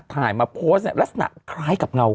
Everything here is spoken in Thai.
ถ่ายมาโพสต์เนี่ยลักษณะคล้ายกับเงา